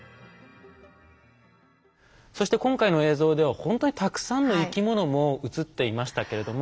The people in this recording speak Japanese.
そして今回の映像ではほんとにたくさんの生き物も映っていましたけれども。